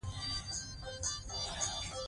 په سیندونو کې د لامبو پر مهال احتیاط وکړئ.